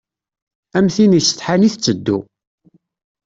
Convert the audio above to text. Am tin isetḥan i tetteddu.